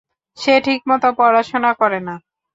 সে ঠিকমতো পড়াশোনা করে না।